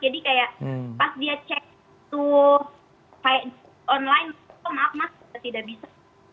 jadi kayak pas dia cek itu online maaf mas tidak bisa